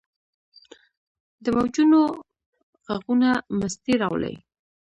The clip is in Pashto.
د موجونو ږغونه مستي راولي.